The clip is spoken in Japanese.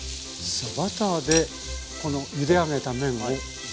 さあバターでこのゆで上げた麺を炒めて。